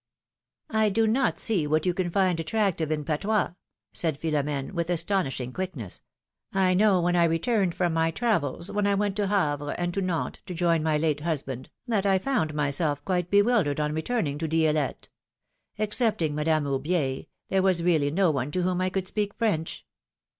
I do not see what you can find attractive in patois, said Philom^ne, with astonishing quickness; I know when I returned from my travels, when I went to Havre and to Nantes, to join my late husband, that I found my self quite bewildered on returning to Di^lette ! Excepting Madame Aubier, there was really no one to whom I could speak French